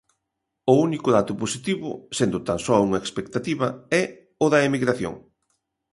O único dato positivo, sendo tan só unha expectativa, é o da emigración.